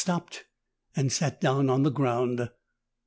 stopped and sat down on the ground.